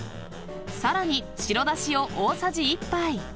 ［さらに白だしを大さじ１杯］